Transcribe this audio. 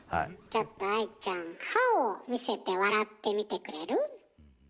ちょっと愛ちゃん歯を見せて笑ってみてくれる？